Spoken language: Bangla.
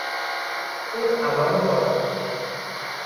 চীন আবারও পরাজিত হয়।